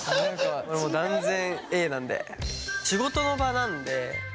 俺も断然Ａなんで。